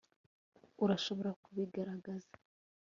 urashobora kubigaragaza